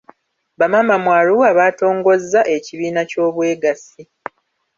Bamaama mu Arua baatongozza ekibiina ky'obwegassi.